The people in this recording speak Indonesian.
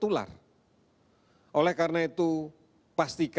dan bukan dochokdel ibu dan omdat bijak keluarga